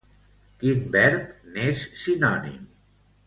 Quin verb n'és sinònim?